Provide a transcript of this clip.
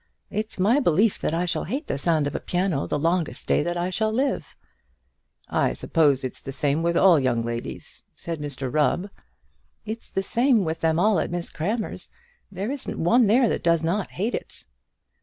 It's my belief that I shall hate the sound of a piano the longest day that I shall live." "I suppose it's the same with all young ladies," said Mr Rubb. "It's the same with them all at Mrs Crammer's. There isn't one there that does not hate it."